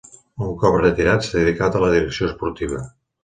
Un cop retirat s'ha dedicat a la direcció esportiva.